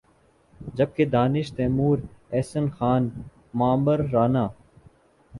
جب کہ دانش تیمور، احسن خان، معمر رانا